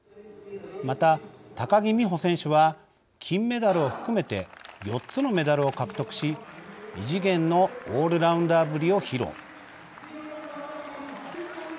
また、高木美帆選手は金メダルを含めて４つのメダルを獲得し、異次元のオールラウンダーぶりを披露。